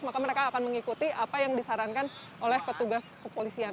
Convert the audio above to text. maka mereka akan mengikuti apa yang disarankan oleh petugas kepolisian